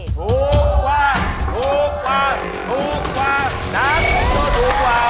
ถูกกว่าถูกกว่าถูกกว่านับถูกกว่า